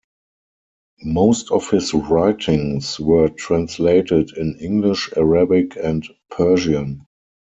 Most of his writings were translated in English, Arabic, and Persian.